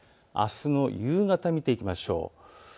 あすの夕方、見ていきましょう。